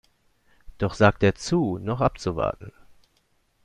Doch sagt er zu, noch abzuwarten.